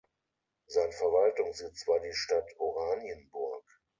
Sein Verwaltungssitz war die Stadt Oranienburg.